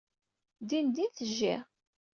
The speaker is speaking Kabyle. Dindin tejji.